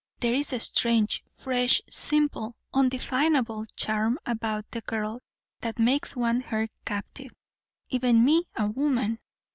There is a strange, fresh, simple, undefinable charm about the girl that makes one her captive. Even me, a woman.